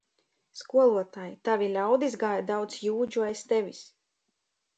Skolotāj, tavi ļaudis gāja daudz jūdžu aiz tevis!